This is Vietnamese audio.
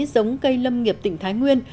giống cây lâm nghiệp tỉnh thái nguyên